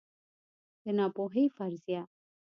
د ناپوهۍ فرضیه